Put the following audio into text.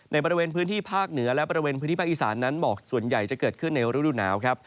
ในบริเวณพื้นที่ภาคเหนือและบริเวณพื้นที่ภาคอีสานนั้นหมอกส่วนใหญ่จะเกิดขึ้นในฤดูหนาวครับ